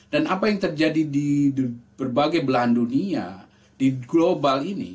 dan apa yang terjadi di berbagai belahan dunia di global ini